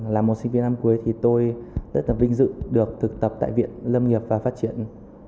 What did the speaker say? là một sinh viên năm cuối thì tôi rất là vinh dự được thực tập tại viện lâm nghiệp và phát triển